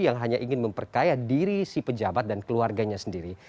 yang hanya ingin memperkaya diri si pejabat dan keluarganya sendiri